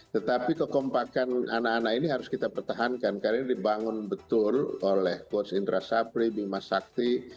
tetapi kekompakan anak anak ini harus kita pertahankan karena ini dibangun betul oleh coach indra sapri bima sakti